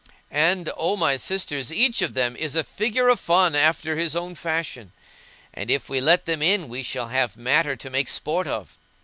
And, O my sisters, each of them is a figure o' fun after his own fashion; and if we let them in we shall have matter to make sport of."